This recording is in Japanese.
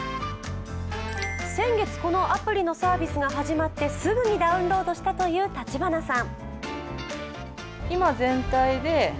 先月このアプリのサービスが始まってすぐにダウンロードしたという立花さん。